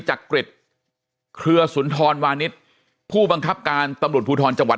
จักริจเครือสุนทรวานิสผู้บังคับการตำรวจภูทรจังหวัด